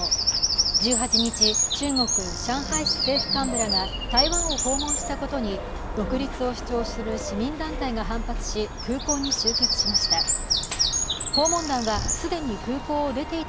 １８日、中国・上海市政府幹部らが台湾を訪問したことに独立を主張する市民団体が反発し空港に集結しました。